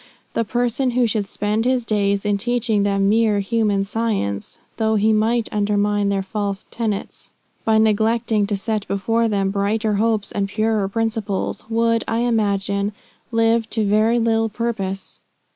The person who should spend his days in teaching them mere human science, (though he might undermine their false tenets,) by neglecting to set before them brighter hopes and purer principles, would, I imagine, live to very little purpose.